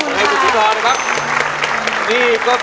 ขอบคุณให้คุณธรรมนะครับ